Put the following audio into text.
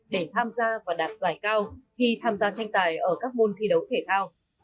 để tham gia và đạt giải cao khi tham gia tranh tài ở các môn thi đấu thể thao